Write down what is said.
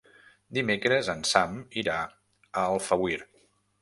Dimecres en Sam irà a Alfauir.